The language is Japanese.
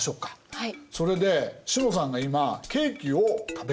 はい。